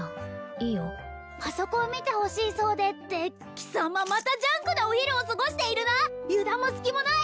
いいよパソコン見てほしいそうでって貴様またジャンクなお昼を過ごしているな油断も隙もない！